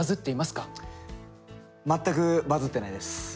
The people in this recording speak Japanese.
全くバズってないです。